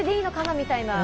みたいな。